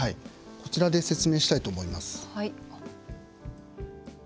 こちらで説明したいと思います。